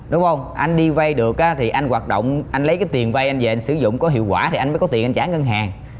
đúng không anh đi vai được á thì anh hoạt động anh lấy cái tiền vai anh về anh sử dụng có hiệu quả thì anh mới có tiền anh trả ngân hàng